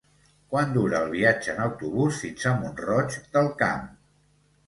Quant dura el viatge en autobús fins a Mont-roig del Camp?